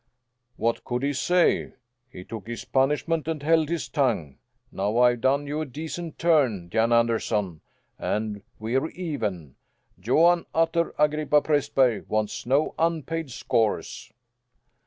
"What could he say? He took his punishment and held his tongue. Now I've done you a decent turn, Jan Anderson, and we're even. Johan Utter Agrippa Prästberg wants no unpaid scores."